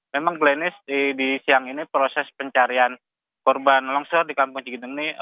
memang klinis di siang ini proses pencarian korban longsor di kampung cikini